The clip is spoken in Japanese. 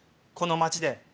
この町で。